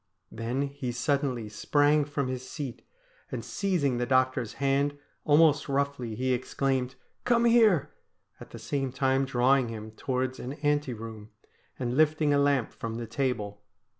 Then he suddenly sprang from his seat, and seizing the doctor's hand almost roughly he ex claimed :' Come here !' at the same time drawing him towards an ante room, and lifting a lamp from the table.